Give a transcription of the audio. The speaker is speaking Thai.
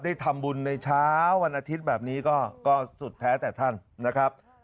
ได้ทำบุญในเช้าวันอาทิตย์แบบนี้ก็สุดแท้แต่ท่านนะครับ